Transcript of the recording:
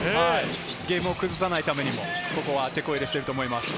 ゲームを崩さないためにも、ここはテコ入れしていると思います。